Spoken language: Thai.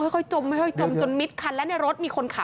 ค่อยจมจนมิดคันแล้วเนี่ย